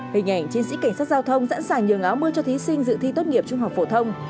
hình ảnh chiến sĩ cảnh sát giao thông sẵn sàng nhường áo mưa cho thí sinh dự thi tốt nghiệp trung học phổ thông